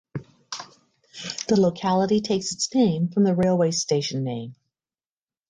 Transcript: The locality takes its name from the railway station name.